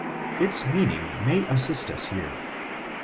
Its meaning there may assist us here.